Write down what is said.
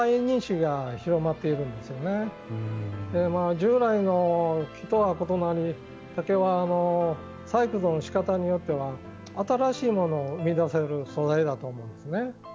従来の木とは異なり竹は細工のしかたによっては新しいものを生み出せる素材だと思うんですね。